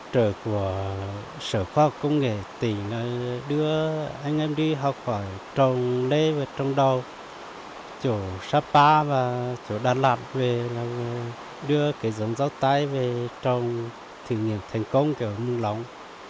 trồng nếp vào trong đầu chỗ sapa và chỗ đà lạt về là đưa cây dâu tây về trồng thử nghiệm thành công ở mường lống